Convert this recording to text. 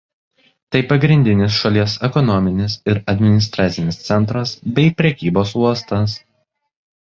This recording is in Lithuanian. Tai pagrindinis šalies ekonominis ir administracinis centras bei prekybos uostas.